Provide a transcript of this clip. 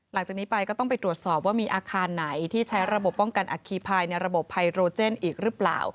หลังจากนี้ไปก็ต้องไปตรวจสอบว่ามีอาคารไหนที่ใช้ระบบป้องกันอัคคีภายในระบบไพโรเจนอีกหรือเปล่า